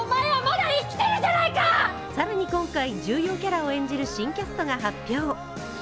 更に今回、重要キャラを演じる新キャストが発表。